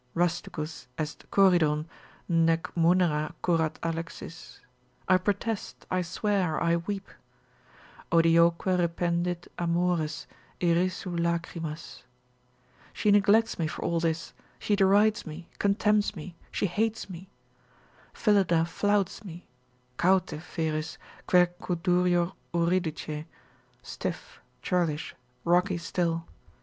Rusticus est Coridon, nec munera curat Alexis. I protest, I swear, I weep, ———odioque rependit amores, Irrisu lachrymas——— She neglects me for all this, she derides me, contemns me, she hates me, Phillida flouts me: Caute, feris, quercu durior Eurydice, stiff, churlish, rocky still.